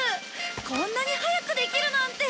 こんなに早くできるなんて！